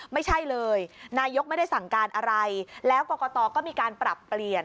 ไม่ใช่เลยนายกไม่ได้สั่งการอะไรแล้วกรกตก็มีการปรับเปลี่ยน